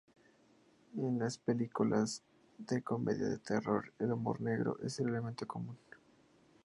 En las películas de comedia de terror, el humor negro es un elemento común.